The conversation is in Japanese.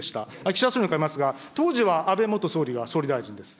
岸田総理に伺いますが、当時は安倍元総理が総理大臣です。